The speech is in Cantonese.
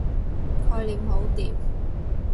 概念好掂